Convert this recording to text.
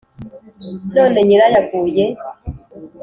none nyirayo aguye